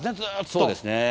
そうですね。